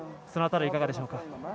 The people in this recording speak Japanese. その辺りはいかがでしょうか？